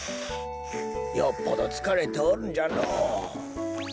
よっぽどつかれておるんじゃのぉ。